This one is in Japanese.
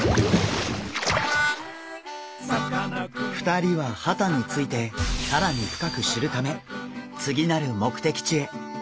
２人はハタについてさらに深く知るため次なる目的地へ。